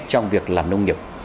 trong việc làm nông nghiệp